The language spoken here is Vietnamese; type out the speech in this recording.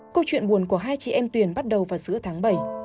câu chuyện buồn của hai chị em tuyển bắt đầu vào giữa tháng bảy